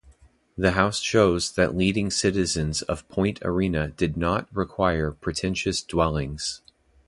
The house shows that leading citizens of Point Arena did not require pretentious dwellings.